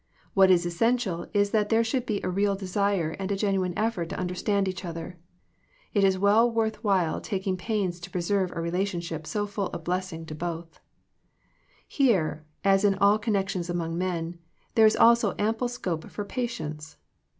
What is essential is that there should be a real desire and a genuine effort to understand each other. It is well worth while tak ing pains 10 preserve a relationship so full of blessing to both. Here, as in all connections among men, there is also ample scope for patience.